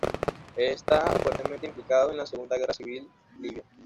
Está fuertemente implicado en la Segunda Guerra Civil libia.